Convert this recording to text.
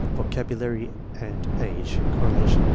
VOCABXJLARY AND Aon. (Correlation